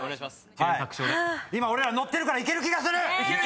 今俺はノッてるからいける気がする！